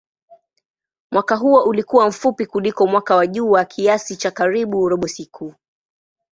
Mwaka huo ulikuwa mfupi kuliko mwaka wa jua kiasi cha karibu robo siku.